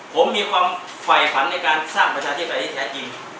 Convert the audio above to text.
ผมมีความไฟฝันในการสร้างประชาชิกไฟที่แท้กิน